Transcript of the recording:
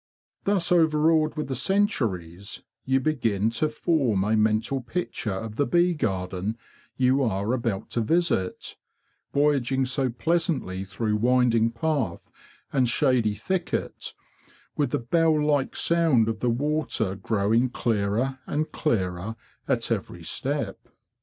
Thus overawed with the centuries, you begin to form a mental picture of the bee garden you are about to visit, voyaging so pleasantly through wind ing path and shady thicket, with the bell like sound of the water growing clearer and clearer at every step.